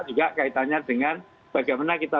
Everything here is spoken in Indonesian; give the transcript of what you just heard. juga kaitannya dengan bagaimana kita